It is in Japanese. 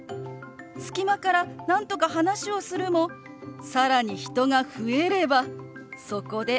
隙間からなんとか話をするも更に人が増えればそこで諦める。